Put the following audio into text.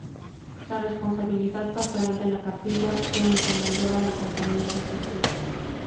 La responsabilidad pastoral de la Capilla se encomendó a la Compañía de Jesús.